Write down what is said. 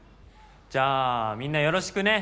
じゃあみんなよろしくね。